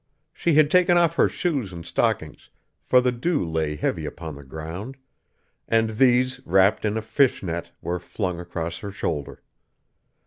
She had taken off her shoes and stockings, for the dew lay heavy upon the ground; and these, wrapped in a fish net, were flung across her shoulder.